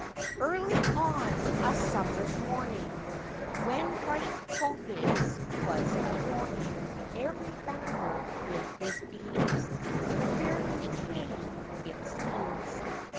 Early on a summer's morning, When bright Phoebus was adorning Every bower with his beams, The fair lady came, it seems.